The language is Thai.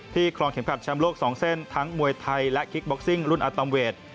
คลองเข็มขัดแชมป์โลก๒เส้นทั้งมวยไทยและคิกบ็อกซิ่งรุ่นอาตอมเวท